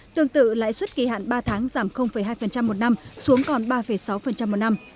tương tự lãi suất kỳ hạn ba tháng giảm hai một năm xuống còn ba sáu một năm